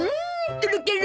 とろける！